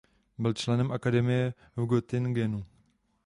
Byl členem akademie v Göttingenu.